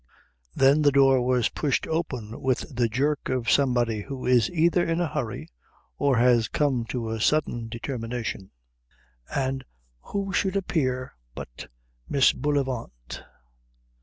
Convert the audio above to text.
Then the door was pushed open with the jerk of somebody who is either in a hurry or has come to a sudden determination, and who should appear but that Miss Bullivant.